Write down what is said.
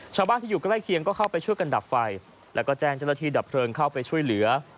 ชาวบ้านที่อยู่ใกล้เคียงก็เข้าไปช่วยกันดับไฟแล้วก็แจ้งเจ้าหน้าที่ดับเพลิงเข้าไปช่วยเหลือ